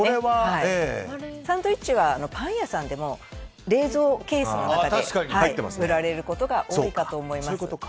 サンドイッチはパン屋さんでも冷蔵ケースの中で売られることが多いかと思います。